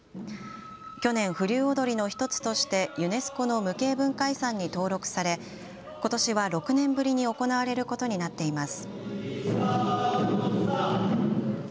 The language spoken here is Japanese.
去年、風流踊の１つとしてユネスコの無形文化遺産に登録され、ことしは６年ぶりに行われることになっています。